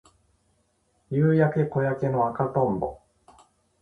夕焼け小焼けの赤とんぼ